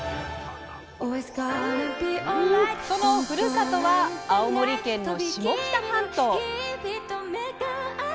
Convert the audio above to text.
そのふるさとは青森県の下北半島。